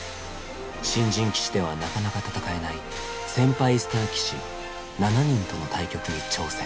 新人棋士ではなかなか戦えない先輩スター棋士７人との対局に挑戦。